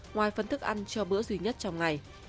ngoài phần thức ăn cho bữa duy nhất trong ngày